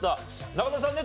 中田さんね